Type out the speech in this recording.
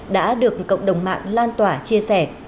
đã được cộng đồng mạng lan tỏa chia sẻ